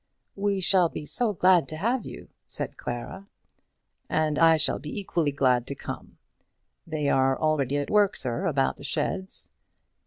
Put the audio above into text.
"We shall be so glad to have you!" said Clara. "And I shall be equally glad to come. They are already at work, sir, about the sheds."